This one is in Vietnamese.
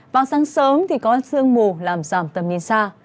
vào sáng sớm thì có sương mù làm giảm tầm nhìn xa